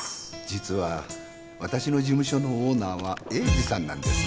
実は私の事務所のオーナーは栄治さんなんです。